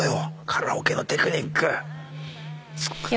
カラオケのテクニック